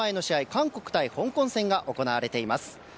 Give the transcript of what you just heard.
韓国対香港戦が行われています。